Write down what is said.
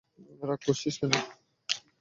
রাগ করছিস কেন?